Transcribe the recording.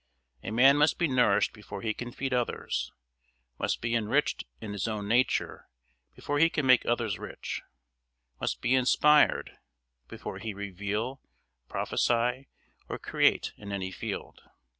A man must be nourished before he can feed others; must be enriched in his own nature before he can make others rich; must be inspired before he reveal, prophesy, or create in any field.